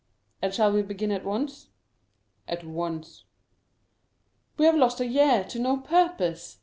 "And shall we begin at once?" "At once." "We have lost a year to no purpose!"